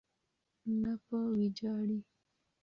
نه په ویجاړۍ.